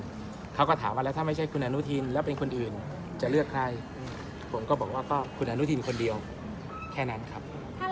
เขาก็ถามว่าแล้วถ้าไม่ใช่คุณอนุทินแล้วเป็นคนอื่นจะเลือกใครผมก็บอกว่าก็คุณอนุทินคนเดียวแค่นั้นครับ